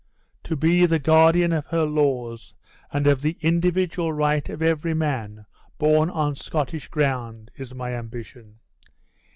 To be the guardian of her laws, and of the individual right of every man born on Scottish ground, is my ambition.